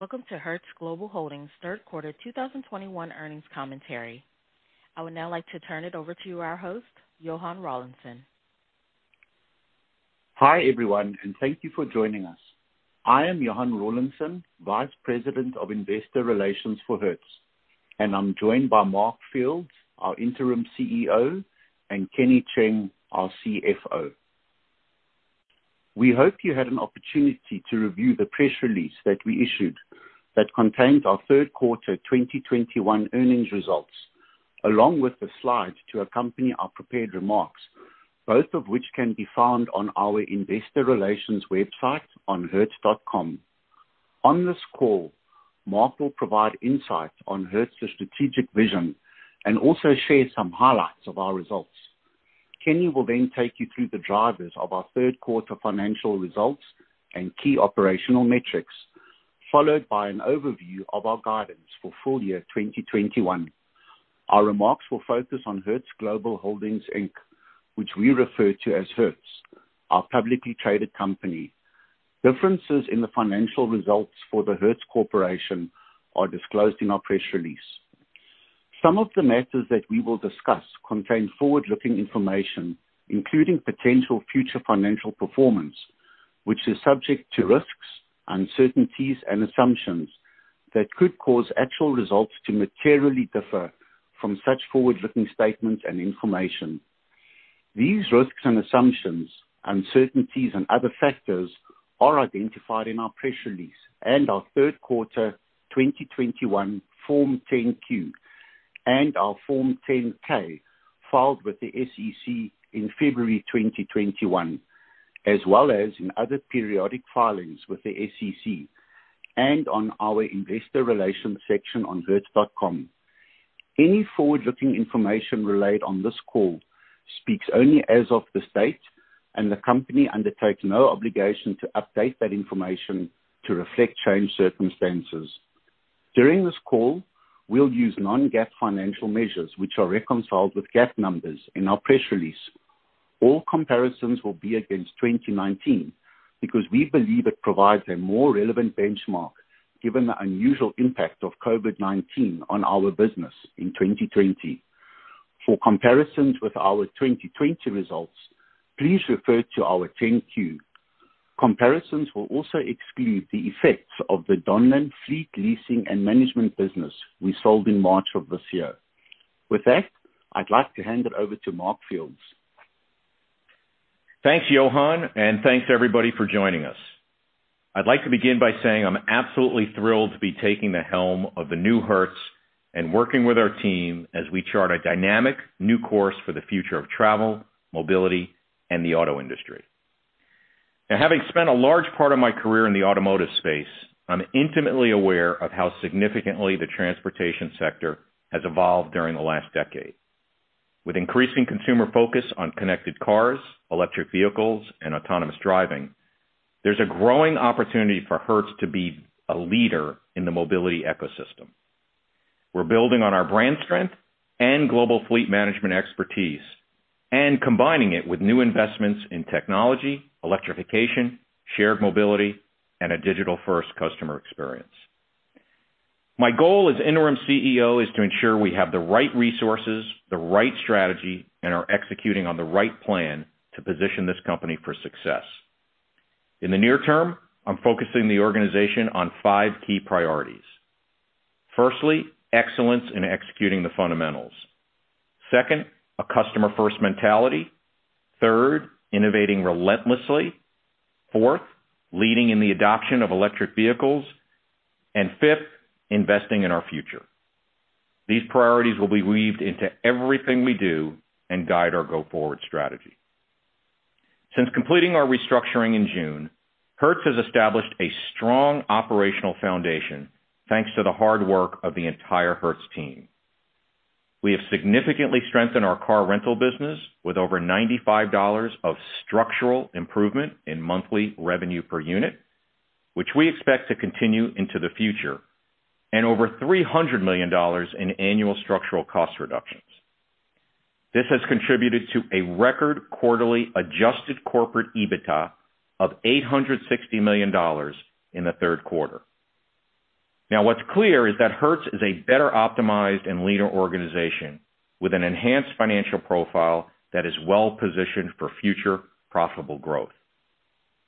Welcome to Hertz Global Holdings third quarter 2021 earnings commentary. I would now like to turn it over to our host, Johann Rawlinson. Hi everyone, and thank you for joining us. I am Johann Rawlinson, Vice President of Investor Relations for Hertz, and I'm joined by Mark Fields, our Interim CEO, and Kenny Cheung, our CFO. We hope you had an opportunity to review the press release that we issued that contained our Q3 2021 earnings results, along with the slides to accompany our prepared remarks, both of which can be found on our investor relations website on hertz.com. On this call, Mark will provide insights on Hertz's strategic vision and also share some highlights of our results. Kenny will then take you through the drivers of our Q3 financial results and key operational metrics, followed by an overview of our guidance for full-year 2021. Our remarks will focus on Hertz Global Holdings Inc, which we refer to as Hertz, our publicly traded company. Differences in the financial results for the Hertz Corporation are disclosed in our press release. Some of the matters that we will discuss contain forward-looking information, including potential future financial performance, which is subject to risks, uncertainties and assumptions that could cause actual results to materially differ from such forward-looking statements and information. These risks and assumptions, uncertainties and other factors are identified in our press release and our Q3 2021 Form 10-Q and our Form 10-K filed with the SEC in February 2021, as well as in other periodic filings with the SEC and on our investor relations section on hertz.com. Any forward-looking information relayed on this call speaks only as of this date, and the company undertakes no obligation to update that information to reflect changed circumstances. During this call, we'll use non-GAAP financial measures which are reconciled with GAAP numbers in our press release. All comparisons will be against 2019 because we believe it provides a more relevant benchmark given the unusual impact of COVID-19 on our business in 2020. For comparisons with our 2020 results, please refer to our 10-Q. Comparisons will also exclude the effects of the Donlen fleet leasing and management business we sold in March of this year. With that, I'd like to hand it over to Mark Fields. Thanks, Johann, and thanks everybody for joining us. I'd like to begin by saying I'm absolutely thrilled to be taking the helm of the new Hertz and working with our team as we chart a dynamic new course for the future of travel, mobility, and the auto industry. Now, having spent a large part of my career in the automotive space, I'm intimately aware of how significantly the transportation sector has evolved during the last decade. With increasing consumer focus on connected cars, electric vehicles, and autonomous driving, there's a growing opportunity for Hertz to be a leader in the mobility ecosystem. We're building on our brand strength and global fleet management expertise and combining it with new investments in technology, electrification, shared mobility, and a digital-first customer experience. My goal as Interim CEO is to ensure we have the right resources, the right strategy, and are executing on the right plan to position this company for success. In the near term, I'm focusing the organization on five key priorities. Firstly, excellence in executing the fundamentals. Second, a customer-first mentality. Third, innovating relentlessly. Fourth, leading in the adoption of electric vehicles. And fifth, investing in our future. These priorities will be woven into everything we do and guide our go-forward strategy. Since completing our restructuring in June, Hertz has established a strong operational foundation, thanks to the hard work of the entire Hertz team. We have significantly strengthened our car rental business with over $95 of structural improvement in monthly revenue per unit, which we expect to continue into the future, and over $300 million in annual structural cost reductions. This has contributed to a record quarterly adjusted corporate EBITDA of $860 million in the third quarter. Now, what's clear is that Hertz is a better optimized and leaner organization with an enhanced financial profile that is well-positioned for future profitable growth.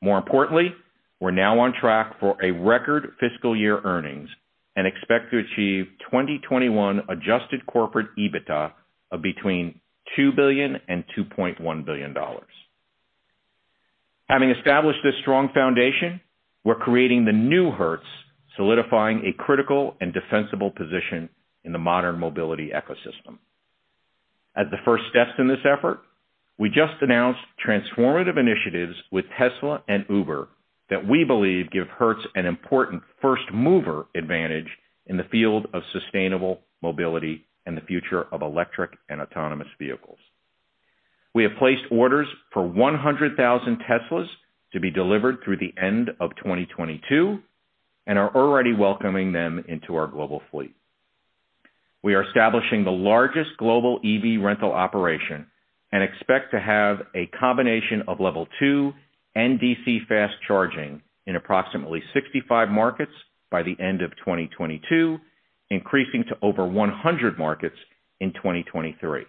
More importantly, we're now on track for a record fiscal year earnings and expect to achieve 2021 adjusted corporate EBITDA of between $2 billion and $2.1 billion. Having established this strong foundation, we're creating the new Hertz, solidifying a critical and defensible position in the modern mobility ecosystem. As the first steps in this effort, we just announced transformative initiatives with Tesla and Uber that we believe give Hertz an important first-mover advantage in the field of sustainable mobility and the future of electric and autonomous vehicles. We have placed orders for 100,000 Teslas to be delivered through the end of 2022 and are already welcoming them into our global fleet. We are establishing the largest global EV rental operation and expect to have a combination of level two and DC fast charging in approximately 65 markets by the end of 2022, increasing to over 100 markets in 2023.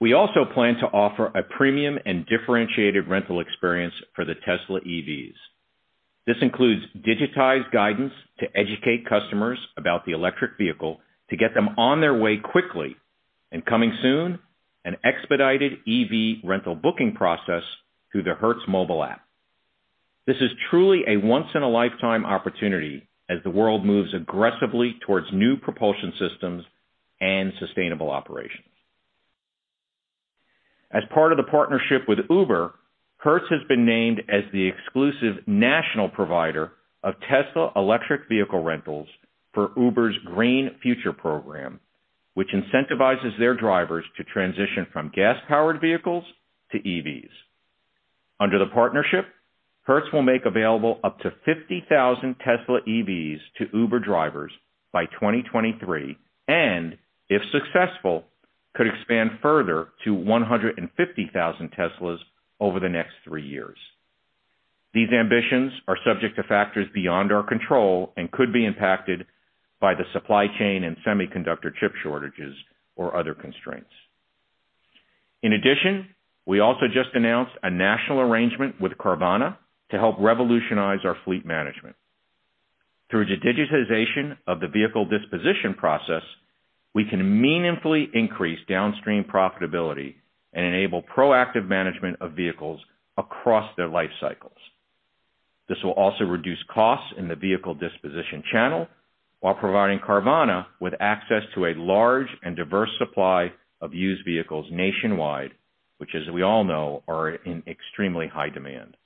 We also plan to offer a premium and differentiated rental experience for the Tesla EVs. This includes digitized guidance to educate customers about the electric vehicle to get them on their way quickly, and coming soon, an expedited EV rental booking process through the Hertz Mobile App. This is truly a once in a lifetime opportunity as the world moves aggressively towards new propulsion systems and sustainable operations. As part of the partnership with Uber, Hertz has been named as the exclusive national provider of Tesla electric vehicle rentals for Uber's Green Future Program, which incentivizes their drivers to transition from gas-powered vehicles to EVs. Under the partnership, Hertz will make available up to 50,000 Tesla EVs to Uber drivers by 2023, and if successful, could expand further to 150,000 Teslas over the next three years. These ambitions are subject to factors beyond our control and could be impacted by the supply chain and semiconductor chip shortages or other constraints. In addition, we also just announced a national arrangement with Carvana to help revolutionize our fleet management. Through the digitization of the vehicle disposition process, we can meaningfully increase downstream profitability and enable proactive management of vehicles across their life cycles. This will also reduce costs in the vehicle disposition channel while providing Carvana with access to a large and diverse supply of used vehicles nationwide, which, as we all know, are in extremely high demand.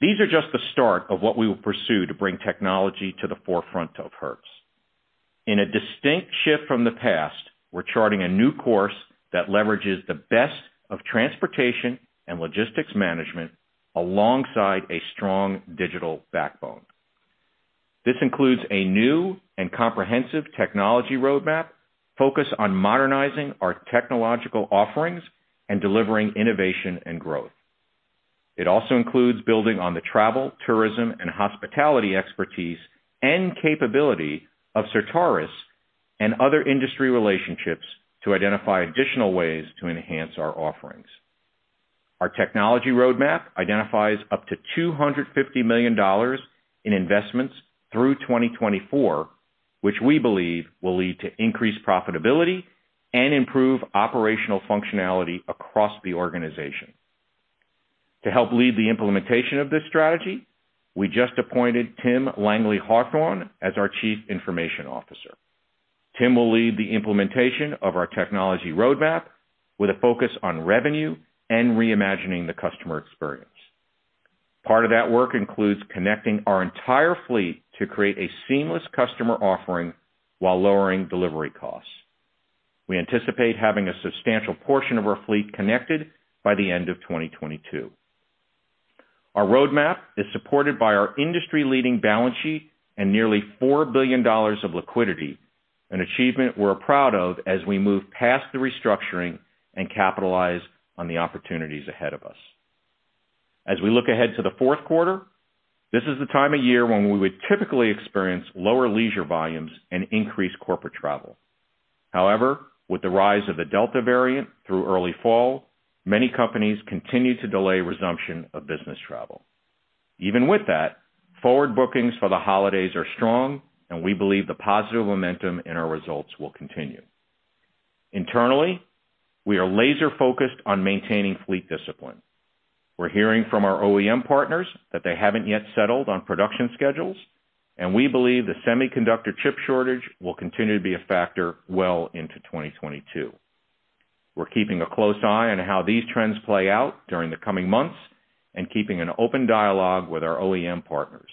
These are just the start of what we will pursue to bring technology to the forefront of Hertz. In a distinct shift from the past, we're charting a new course that leverages the best of transportation and logistics management alongside a strong digital backbone. This includes a new and comprehensive technology roadmap focused on modernizing our technological offerings and delivering innovation and growth. It also includes building on the travel, tourism, and hospitality expertise and capability of Certares and other industry relationships to identify additional ways to enhance our offerings. Our technology roadmap identifies up to $250 million in investments through 2024, which we believe will lead to increased profitability and improve operational functionality across the organization. To help lead the implementation of this strategy, we just appointed Tim Langley-Hawthorne, as our Chief Information Officer. Tim will lead the implementation of our technology roadmap with a focus on revenue and reimagining the customer experience. Part of that work includes connecting our entire fleet to create a seamless customer offering while lowering delivery costs. We anticipate having a substantial portion of our fleet connected by the end of 2022. Our roadmap is supported by our industry-leading balance sheet and nearly $4 billion of liquidity, an achievement we're proud of as we move past the restructuring and capitalize on the opportunities ahead of us. As we look ahead to the fourth quarter, this is the time of year when we would typically experience lower leisure volumes and increased corporate travel. However, with the rise of the Delta variant through early fall, many companies continue to delay resumption of business travel. Even with that, forward bookings for the holidays are strong, and we believe the positive momentum in our results will continue. Internally, we are laser-focused on maintaining fleet discipline. We're hearing from our OEM partners that they haven't yet settled on production schedules, and we believe the semiconductor chip shortage will continue to be a factor well into 2022. We're keeping a close eye on how these trends play out during the coming months and keeping an open dialogue with our OEM partners.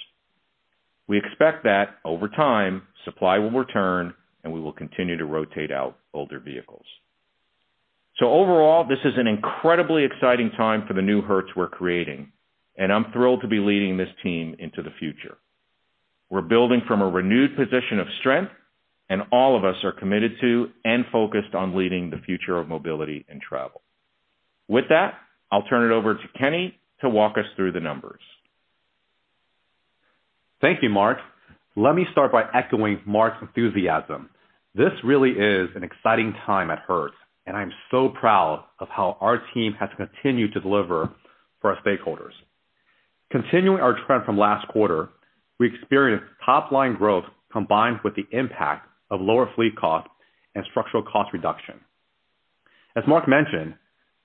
We expect that over time, supply will return, and we will continue to rotate out older vehicles. Overall, this is an incredibly exciting time for the new Hertz we're creating, and I'm thrilled to be leading this team into the future. We're building from a renewed position of strength, and all of us are committed to and focused on leading the future of mobility and travel. With that, I'll turn it over to Kenny to walk us through the numbers. Thank you, Mark. Let me start by echoing Mark's enthusiasm. This really is an exciting time at Hertz, and I'm so proud of how our team has continued to deliver for our stakeholders. Continuing our trend from last quarter, we experienced top-line growth combined with the impact of lower fleet cost and structural cost reduction. As Mark mentioned,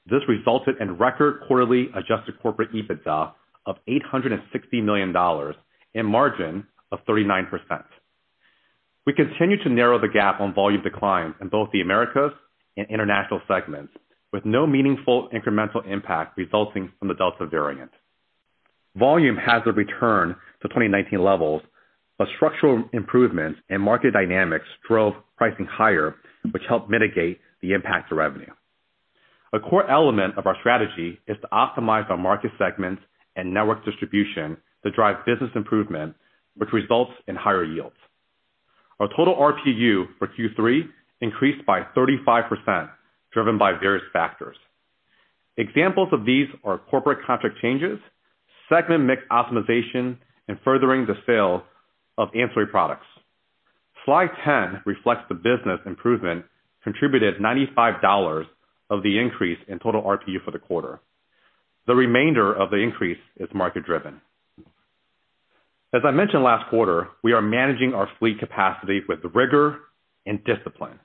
this resulted in record quarterly adjusted corporate EBITDA of $860 million and 39% margin. We continue to narrow the gap on volume decline in both the Americas and International segments with no meaningful incremental impact resulting from the Delta variant. Volume has returned to 2019 levels, but structural improvements and market dynamics drove pricing higher, which helped mitigate the impact to revenue. A core element of our strategy is to optimize our market segments and network distribution to drive business improvement, which results in higher yields. Our total RPU for Q3 increased by 35% driven by various factors. Examples of these are corporate contract changes, segment mix optimization, and furthering the sale of ancillary products. Slide 10 reflects the business improvement contributed $95 of the increase in total RPU for the quarter. The remainder of the increase is market-driven. As I mentioned last quarter, we are managing our fleet capacity with rigor and discipline,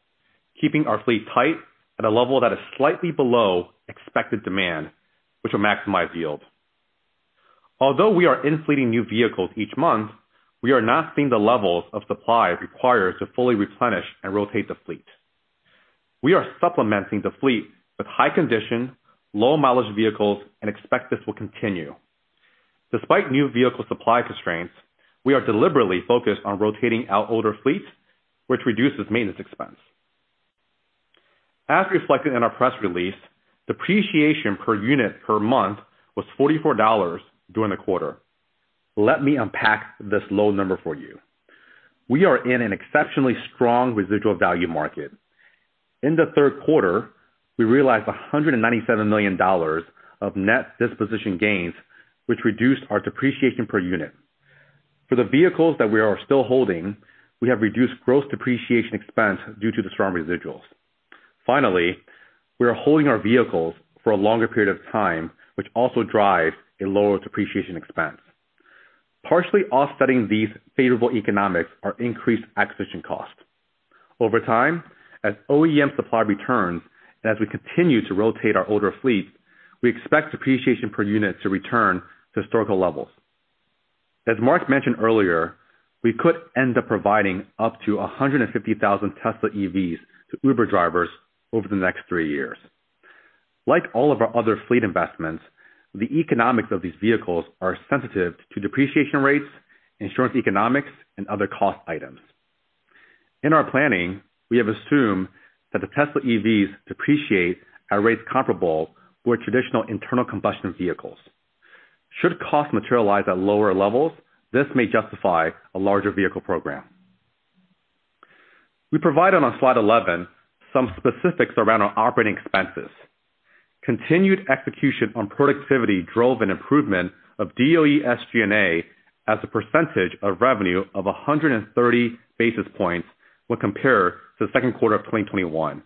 keeping our fleet tight at a level that is slightly below expected demand, which will maximize yield. Although we are infleeting new vehicles each month, we are not seeing the levels of supply required to fully replenish and rotate the fleet. We are supplementing the fleet with high condition, low mileage vehicles and expect this will continue. Despite new vehicle supply constraints, we are deliberately focused on rotating our older fleet, which reduces maintenance expense. As reflected in our press release, depreciation per unit per month was $44 during the quarter. Let me unpack this low number for you. We are in an exceptionally strong residual value market. In the third quarter, we realized $197 million of net disposition gains, which reduced our depreciation per unit. For the vehicles that we are still holding, we have reduced gross depreciation expense due to the strong residuals. Finally, we are holding our vehicles for a longer period of time, which also drives a lower depreciation expense. Partially offsetting these favorable economics are increased acquisition costs. Over time, as OEM supply returns and as we continue to rotate our older fleet, we expect depreciation per unit to return to historical levels. As Mark mentioned earlier, we could end up providing up to 150,000 Tesla EVs to Uber drivers over the next three years. Like all of our other fleet investments, the economics of these vehicles are sensitive to depreciation rates, insurance economics, and other cost items. In our planning, we have assumed that the Tesla EVs depreciate at rates comparable with traditional internal combustion vehicles. Should costs materialize at lower levels, this may justify a larger vehicle program. We provide on slide 11 some specifics around our operating expenses. Continued execution on productivity drove an improvement of DOE SG&A as a percentage of revenue of 130 basis points when compared to the second quarter of 2021.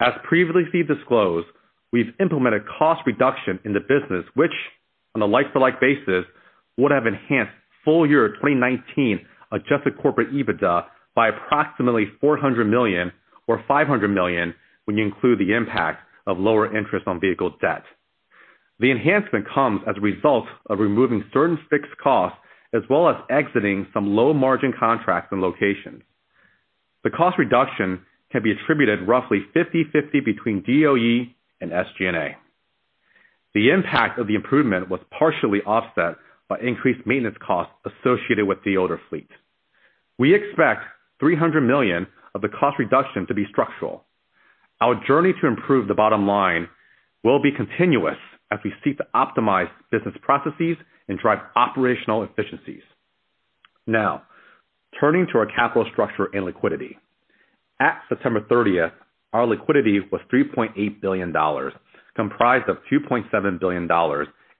As previously disclosed, we've implemented cost reduction in the business, which, on a like-for-like basis, would have enhanced full-year 2019 adjusted corporate EBITDA by approximately $400 million or $500 million when you include the impact of lower interest on vehicle debt. The enhancement comes as a result of removing certain fixed costs, as well as exiting some low-margin contracts and locations. The cost reduction can be attributed roughly 50/50 between DOE and SG&A. The impact of the improvement was partially offset by increased maintenance costs associated with the older fleet. We expect $300 million of the cost reduction to be structural. Our journey to improve the bottom line will be continuous as we seek to optimize business processes and drive operational efficiencies. Now, turning to our capital structure and liquidity. At September 30th, our liquidity was $3.8 billion, comprised of $2.7 billion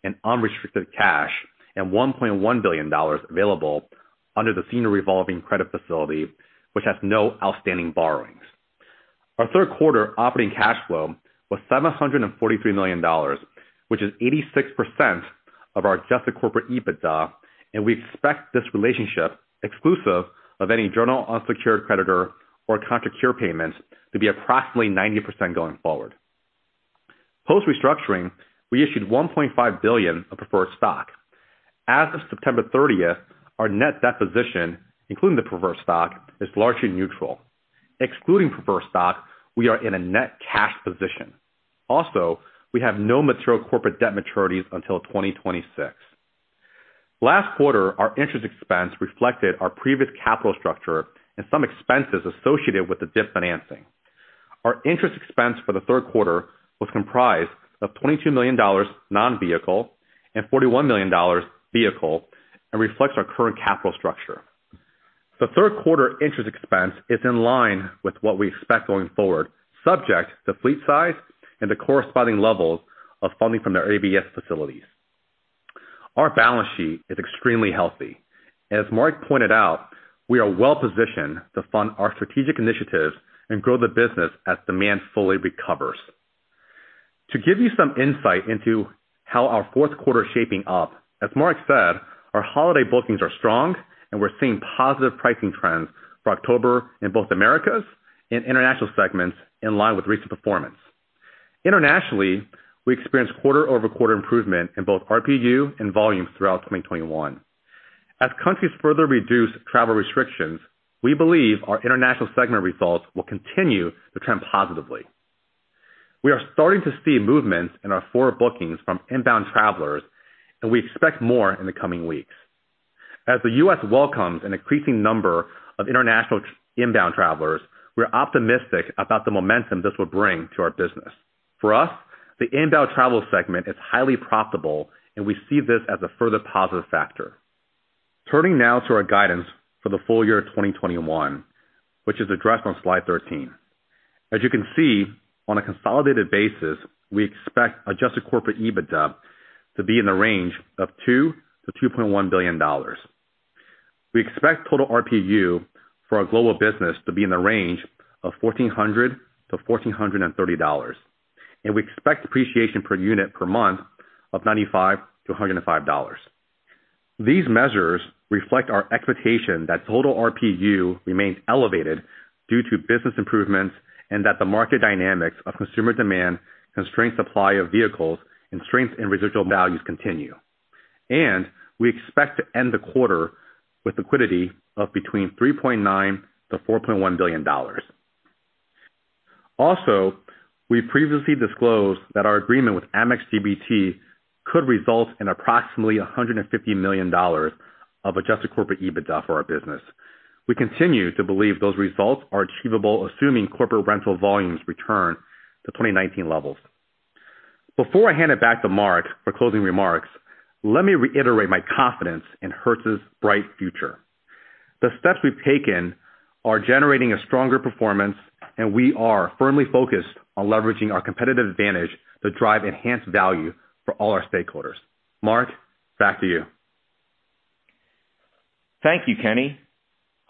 in unrestricted cash and $1.1 billion available under the senior revolving credit facility, which has no outstanding borrowings. Our third quarter operating cash flow was $743 million, which is 86% of our adjusted corporate EBITDA, and we expect this relationship exclusive of any general unsecured creditor or contract cure payments to be approximately 90% going forward. Post-restructuring, we issued $1.5 billion of preferred stock. As of September 30th, our net debt position, including the preferred stock, is largely neutral. Excluding preferred stock, we are in a net cash position. Also, we have no material corporate debt maturities until 2026. Last quarter, our interest expense reflected our previous capital structure and some expenses associated with the debt financing. Our interest expense for the third quarter was comprised of $22 million non-vehicle and $41 million vehicle, and reflects our current capital structure. The third quarter interest expense is in line with what we expect going forward, subject to fleet size and the corresponding levels of funding from the ABS facilities. Our balance sheet is extremely healthy, and as Mark pointed out, we are well-positioned to fund our strategic initiatives and grow the business as demand fully recovers. To give you some insight into how our fourth quarter is shaping up, as Mark said, our holiday bookings are strong and we're seeing positive pricing trends for October in both Americas and International segments in line with recent performance. Internationally, we experienced quarter-over-quarter improvement in both RPU and volumes throughout 2021. As countries further reduce travel restrictions, we believe our international segment results will continue to trend positively. We are starting to see movements in our forward bookings from inbound travelers, and we expect more in the coming weeks. As the U.S. welcomes an increasing number of international inbound travelers, we're optimistic about the momentum this will bring to our business. For us, the inbound travel segment is highly profitable, and we see this as a further positive factor. Turning now to our guidance for the full-year 2021, which is addressed on slide 13. As you can see, on a consolidated basis, we expect adjusted corporate EBITDA to be in the range of $2 billion-$2.1 billion. We expect total RPU for our global business to be in the range of $1,400-$1,430, and we expect depreciation per unit per month of $95-$105. These measures reflect our expectation that total RPU remains elevated due to business improvements and that the market dynamics of consumer demand, constrained supply of vehicles, and strength in residual values continue. We expect to end the quarter with liquidity of between $3.9 billion-$4.1 billion. Also, we previously disclosed that our agreement with Amex GBT could result in approximately $150 million of adjusted corporate EBITDA for our business. We continue to believe those results are achievable, assuming corporate rental volumes return to 2019 levels. Before I hand it back to Mark for closing remarks, let me reiterate my confidence in Hertz's bright future. The steps we've taken are generating a stronger performance, and we are firmly focused on leveraging our competitive advantage to drive enhanced value for all our stakeholders. Mark, back to you. Thank you, Kenny.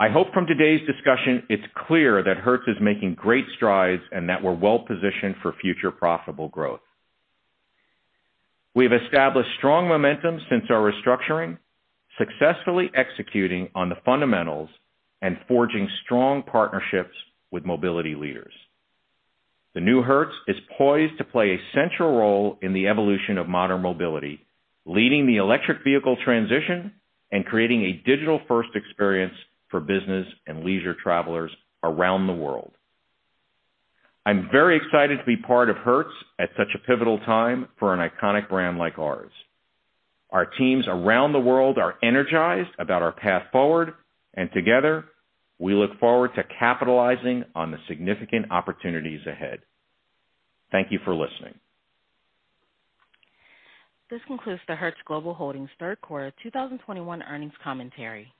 I hope from today's discussion it's clear that Hertz is making great strides and that we're well-positioned for future profitable growth. We have established strong momentum since our restructuring, successfully executing on the fundamentals and forging strong partnerships with mobility leaders. The new Hertz is poised to play a central role in the evolution of modern mobility, leading the electric vehicle transition and creating a digital-first experience for business and leisure travelers around the world. I'm very excited to be part of Hertz at such a pivotal time for an iconic brand like ours. Our teams around the world are energized about our path forward, and together, we look forward to capitalizing on the significant opportunities ahead. Thank you for listening. This concludes the Hertz Global Holdings third quarter 2021 earnings commentary.